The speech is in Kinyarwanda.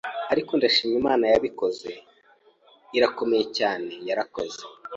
ariko ndashima Imana yabikoze, irakomeye cyane yarakoze